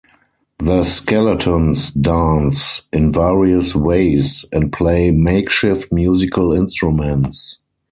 The skeletons dance in various ways and play makeshift musical instruments.